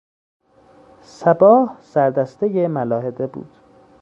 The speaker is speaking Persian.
صباح سردستهی ملاحده بود.